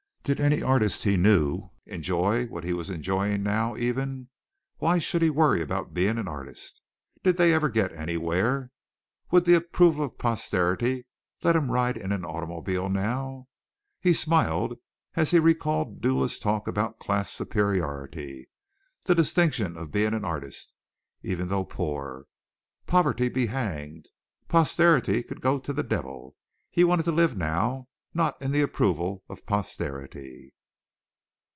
Did any artist he knew enjoy what he was enjoying now, even? Why should he worry about being an artist? Did they ever get anywhere? Would the approval of posterity let him ride in an automobile now? He smiled as he recalled Dula's talk about class superiority the distinction of being an artist, even though poor. Poverty be hanged! Posterity could go to the devil! He wanted to live now not in the approval of posterity.